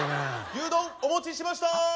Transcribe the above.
・牛丼お持ちしました！